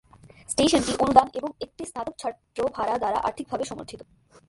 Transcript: স্টেশনটি অনুদান এবং একটি স্নাতক ছাত্র ভাড়া দ্বারা আর্থিকভাবে সমর্থিত।